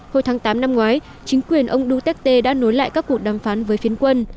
hồi tháng tám năm ngoái chính quyền ông duterte đã nối lại các cuộc đàm phán với phiến quân